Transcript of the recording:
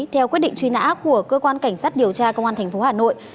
theo quyết định truy nã của cơ quan cảnh sát điều tra công an tp hà nội